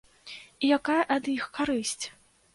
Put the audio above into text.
І якая ад іх карысць?